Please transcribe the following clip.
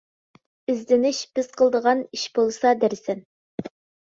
ئىزدىنىش بىز قىلىدىغان ئىش بولسا دەرسەن.